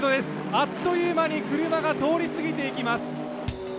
あっという間に車が通り過ぎていきます。